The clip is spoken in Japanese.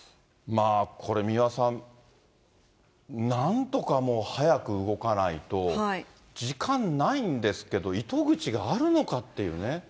これ、三輪さん、なんとかもう、早く動かないと、時間ないんですけど、糸口があるのかっていうね。